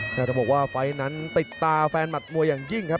แต่ต้องบอกว่าไฟล์นั้นติดตาแฟนมัดมวยอย่างยิ่งครับ